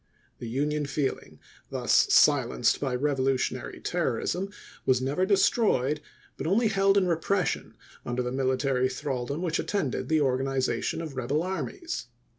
The Union feeling, thus silenced by revolutionary terrorism, was never destroyed, but only held in repression under the military thraldom which attended the organization of rebel armies.